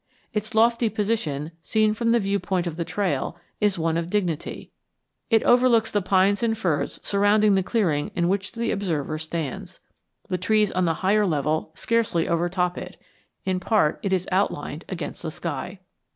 Its lofty position, seen from the viewpoint of the trail, is one of dignity; it overlooks the pines and firs surrounding the clearing in which the observer stands. The trees on the higher level scarcely overtop it; in part, it is outlined against the sky.